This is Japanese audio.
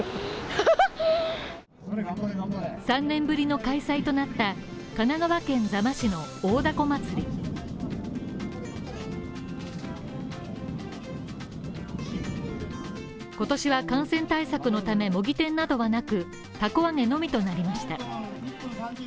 ３年ぶりの開催となった神奈川県座間市の大凧まつり今年は感染対策のため模擬店などはなく、凧揚げのみとなりました。